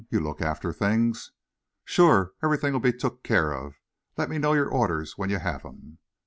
You look after things." "Sure! everything'll be took care of. Lemme know your orders when you have 'em."